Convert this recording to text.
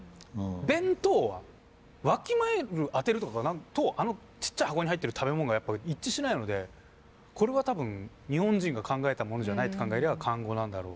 「弁当」は「弁える」「当てる」とかなるとちっちゃい箱に入ってる食べ物がやっぱ一致しないのでこれは多分日本人が考えたものじゃないって考えりゃ漢語なんだろう。